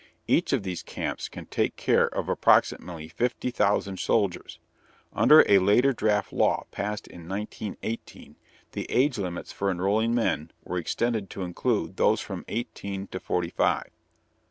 Each of these camps can take care of approximately fifty thousand soldiers. Under a later draft law passed in 1918, the age limits for enrolling men were extended to include those from eighteen to forty five.